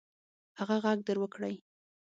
هغه ږغ در وکړئ.